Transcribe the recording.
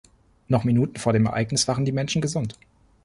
Noch Minuten vor dem Ereignis waren die Menschen gesund.